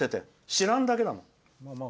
知らんだけだもん。